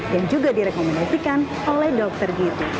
dan juga direkomendasikan oleh dokter gitu